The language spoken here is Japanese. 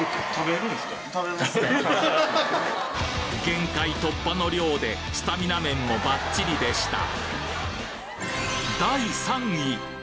限界突破の量でスタミナ面もバッチリでした